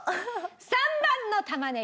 ３番の玉ねぎ